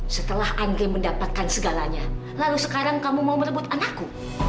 setelah anggi mendapatkan segalanya lalu sekarang kamu mau merebut anakku